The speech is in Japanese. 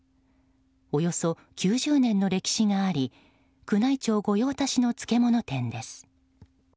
およそ９０年の歴史があり宮内庁御用達の漬物店です。